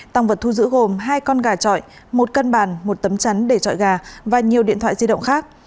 tăng vật thu giữ gồm hai con gà trọi một cân bàn một tấm chắn để trọi gà và nhiều điện thoại di động khác